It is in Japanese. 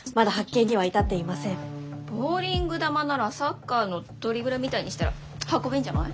ボウリング球ならサッカーのドリブルみたいにしたら運べんじゃない？